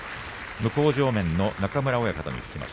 向正面の中村親方に聞きます。